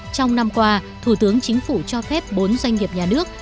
trong năm qua thủ tướng chính phủ cho phép bốn doanh nghiệp nhà nước